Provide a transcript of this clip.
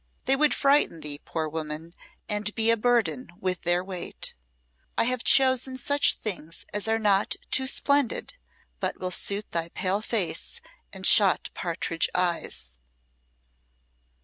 They would frighten thee, poor woman, and be a burden with their weight. I have chosen such things as are not too splendid, but will suit thy pale face and shot partridge eyes."